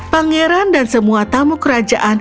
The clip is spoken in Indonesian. pangeran dan semua tamu kerajaan